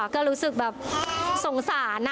ก็รู้สึกแบบสงสาร